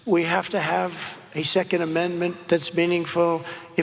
kita harus memiliki perjanjian kedua yang berarti